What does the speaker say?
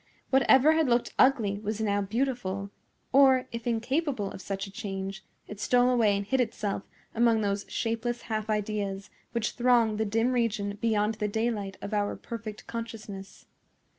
Whatever had looked ugly was now beautiful; or, if incapable of such a change, it stole away and hid itself among those shapeless half ideas which throng the dim region beyond the daylight of our perfect consciousness.